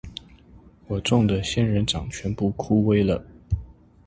我種的仙人掌全部枯萎了